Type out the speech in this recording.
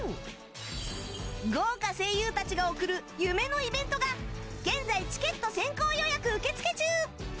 豪華声優たちが送る夢のイベントが現在、チケット先行予約受付中。